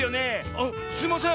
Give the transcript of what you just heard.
「あっすいません